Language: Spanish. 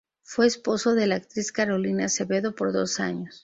Fue esposo de la actriz Carolina Acevedo por dos años.